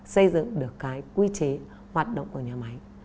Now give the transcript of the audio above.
xây dựng được cái quy chế hoạt động của nhà máy